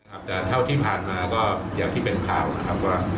ครับแต่เท่าที่ผ่านมาก็อย่างที่เป็นข่าวนะครับว่า